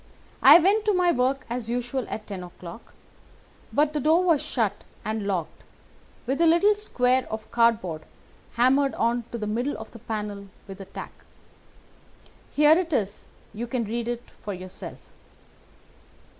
I went to my work as usual at ten o'clock, but the door was shut and locked, with a little square of cardboard hammered on to the middle of the panel with a tack. Here it is, and you can read for yourself."